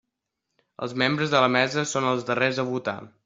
Els membres de la mesa són els darrers a votar.